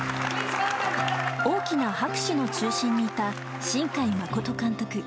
大きな拍手の中心にいた新海誠監督。